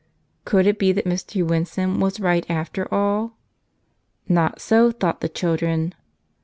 Could it be that Mr. Winson was right after all? Not so thought the chil¬ dren.